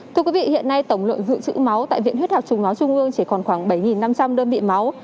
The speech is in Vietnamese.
thưa quý vị hiện nay tổng lượng dự trữ máu tại viện huyết học trung máu trung ương chỉ còn khoảng bảy năm trăm linh đơn vị máu